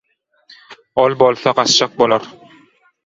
Ol bolsa, gaçjak bolar